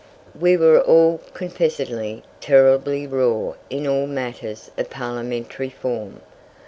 We were all, confessedly, terribly raw in all matters of Parliamentary form.